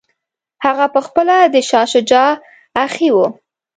هغه پخپله د شاه شجاع اخښی وو.